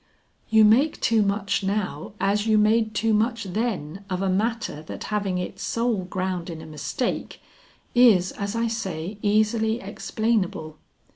"You make too much now, as you made too much then of a matter that having its sole ground in a mistake, is, as I say, easily explainable.